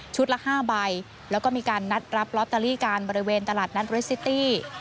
ละ๕ใบแล้วก็มีการนัดรับลอตเตอรี่กันบริเวณตลาดนัดเรสซิตี้